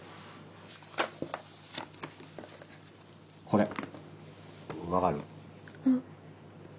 これ分かる？